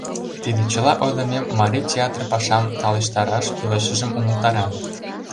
Тиде чыла ойлымем марий театр пашам талештараш кӱлешыжым умылтара.